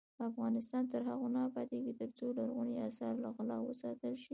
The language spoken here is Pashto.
افغانستان تر هغو نه ابادیږي، ترڅو لرغوني اثار له غلا وساتل شي.